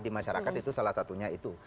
di masyarakat itu salah satunya itu